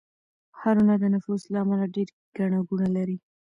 ښارونه د نفوس له امله ډېر ګڼه ګوڼه لري.